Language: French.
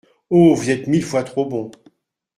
Oh ! vous êtes mille fois trop bon !